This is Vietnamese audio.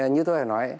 như tôi đã nói